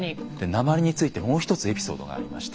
鉛についてもう一つエピソードがありまして。